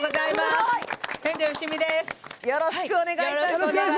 よろしくお願いします！